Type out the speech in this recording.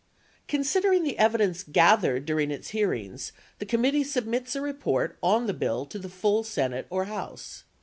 Considering the evidence gathered during its hearings, the com mittee submits a report on the bill to the full Senate or House.